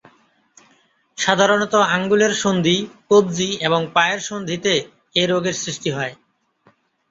সাধারণত আঙুলের সন্ধি, কবজি এবং পায়ের সন্ধিতে এ রোগের সৃষ্টি হয়।